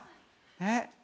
えっ？